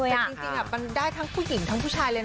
แต่จริงมันได้ทั้งผู้หญิงทั้งผู้ชายเลยนะ